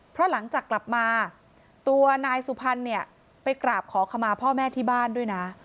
เพราะหลังจากกลับมาตัวนายสุพรรณเนี่ยไปกราบขอขมาพ่อแม่ที่บ้านด้วยนะ